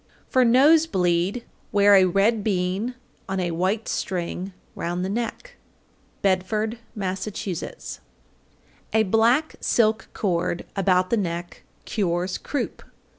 For nose bleed wear a red bean on a white string round the neck. Bedford, Mass. 803. A black silk cord about the neck cures croup.